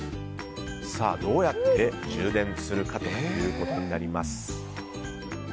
どうやって充電するかということになります。